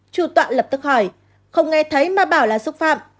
chủ tọa lập tức hỏi không nghe thấy mà bảo là xúc phạm